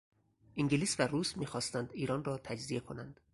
انگلیس و روس میخواستند ایران را تجزیه کنند.